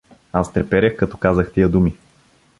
Аз треперех, като казах тия думи.